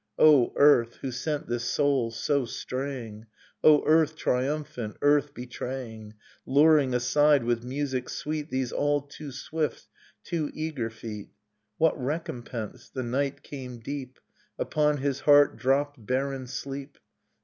O earth, who sent this soul so straying, O earth triumphant, earth betraying, Luring aside with music sweet These all too swift, too eager feet! What recompense? — The night came deep, Upon his heart dropped barren sleep.